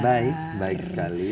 baik baik sekali